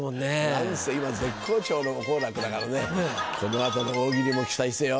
なんせ今絶好調の好楽だからねこの後の大喜利も期待してよ。